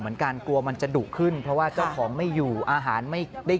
เหมือนกันกลัวมันจะดุขึ้นเพราะว่าเจ้าของไม่อยู่อาหารไม่ได้